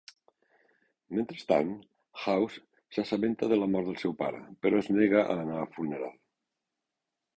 Mentrestant, House s'assabenta de la mort del seu pare, però es nega a anar al funeral.